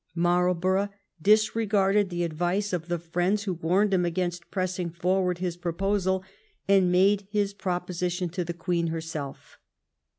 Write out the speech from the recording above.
Marl borough disregarded the advice of the friends who warned him against pressing forward his proposal, and made his proposition to the Queen herself.